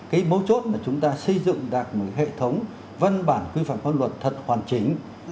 cái mấu chốt là chúng ta xây dựng được một hệ thống văn bản quy phạm pháp luật thật hoàn chỉnh